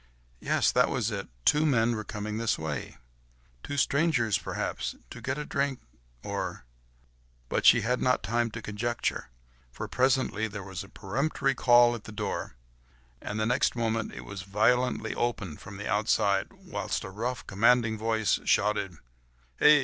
Yes! that was it! two men were coming this way. Two strangers perhaps, to get a drink, or ... But she had not time to conjecture, for presently there was a peremptory call at the door, and the next moment it was violently thrown open from the outside, whilst a rough, commanding voice shouted,— "Hey!